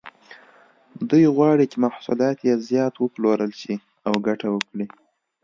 دوی غواړي چې محصولات یې زیات وپلورل شي او ګټه وکړي.